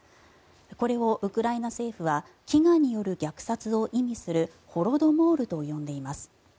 これをウクライナ政府は飢餓による虐殺を意味するホロドモールと呼んでいます。